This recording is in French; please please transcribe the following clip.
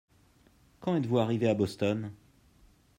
Quand êtes-vous arrivé à Boston ?